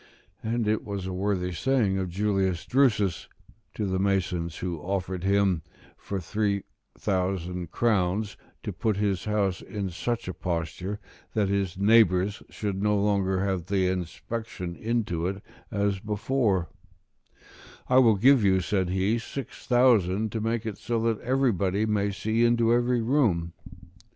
And it was a worthy saying of Julius Drusus, to the masons who offered him, for three thousand crowns, to put his house in such a posture that his neighbours should no longer have the same inspection into it as before; "I will give you," said he, "six thousand to make it so that everybody may see into every room."